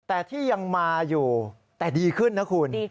แต่ที่ยังมาอยู่แต่ดีขึ้นนะคุณ